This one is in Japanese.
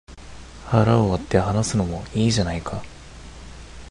腹を割って話すのもいいじゃないか